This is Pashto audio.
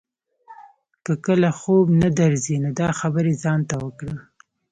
که کله خوب نه درځي نو دا خبرې ځان ته وکړه.